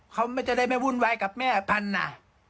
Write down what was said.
เขาไม่ได้ไม่วุ่นวายกับแม่พันธุ์น่ะ